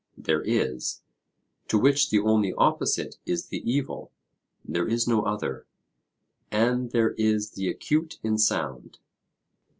There is. To which the only opposite is the evil? There is no other. And there is the acute in sound?